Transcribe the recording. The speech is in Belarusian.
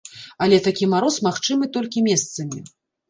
Але такі мароз магчымы толькі месцамі.